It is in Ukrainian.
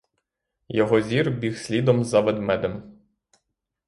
Його зір біг слідом за ведмедем.